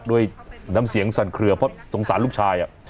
ด้วยน้ำเสียงสั่นเคลือเพราะสงสารลูกชาย